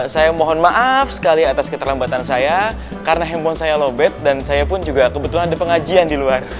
saya mohon maaf sekali atas keterlambatan saya karena handphone saya lobet dan saya pun juga kebetulan ada pengajian di luar